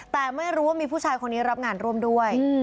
แต่ไม่รู้ว่ามีผู้ชายคนนี้รับงานร่วมด้วย